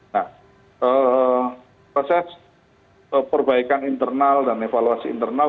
nah proses perbaikan internal dan evaluasi internal